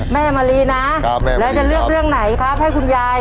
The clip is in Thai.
แม่มารีนะครับแม่มารีครับแล้วจะเลือกเรื่องไหนครับให้คุณยาย